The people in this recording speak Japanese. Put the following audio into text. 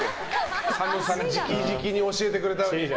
ＳＡＭさんが直々に教えてくれたのに。